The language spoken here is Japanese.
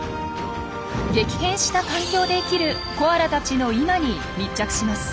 激変した環境で生きるコアラたちの今に密着します。